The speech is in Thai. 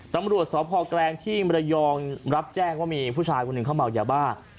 ตำรวจสพแกลงที่มรยองรับแจ้งว่ามีผู้ชายคนหนึ่งเขาเมายาบ้า